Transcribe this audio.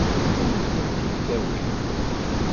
Ad wen-tent-id-tawi?